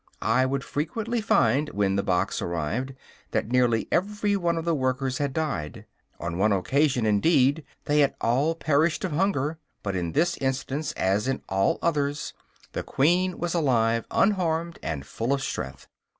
I would frequently find, when the box arrived, that nearly every one of the workers had died. On one occasion, indeed, they had all perished of hunger; but in this instance, as in all others, the queen was alive, unharmed and full of strength.